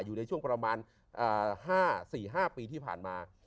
อยู่ในช่วงประมาณ๕๔๕ปีที่ผ่านมา